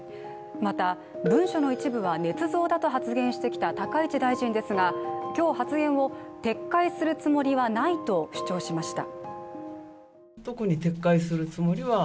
また、文書の一部はねつ造だと発言してきた高市大臣ですが、今日、発言を撤回するつもりはないと主張しました。